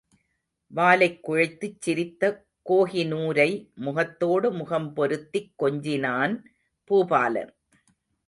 வாலைக் குழைத்துச் சிரித்த கோஹினூரை முகத்தோடு முகம் பொருத்திக் கொஞ்சினான் பூபாலன்.